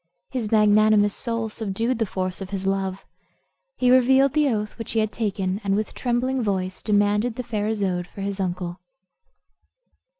His magnanimous soul subdued the force of his love. He revealed the oath which he had taken, and with trembling voice demanded the fair Isoude for his uncle.